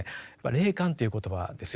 「霊感」という言葉ですよね。